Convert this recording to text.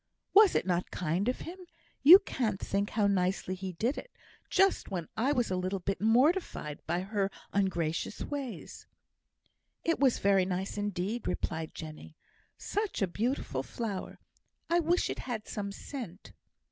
"Was it not kind of him? You can't think how nicely he did it, just when I was a little bit mortified by her ungracious ways." "It was very nice, indeed," replied Jenny. "Such a beautiful flower! I wish it had some scent."